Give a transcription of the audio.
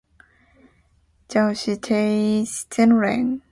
授权代理是向加州州务卿注册的自然人或企业实体；且